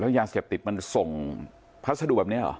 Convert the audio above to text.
ยาเสพติดมันส่งพัสดุแบบนี้เหรอ